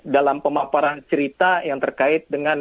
dalam pemaparan cerita yang terkait dengan